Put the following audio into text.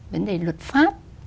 vấn đề luật pháp